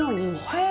へえ。